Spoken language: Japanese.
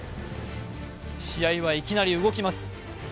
試合はいきなり動きます。